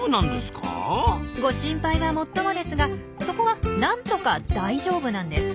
ご心配はもっともですがそこはなんとか大丈夫なんです。